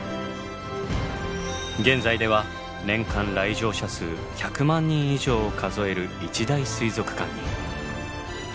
現在では年間来場者数１００万人以上を数える一大水族館に。